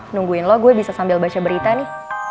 nungguin lo gue bisa sambil baca berita nih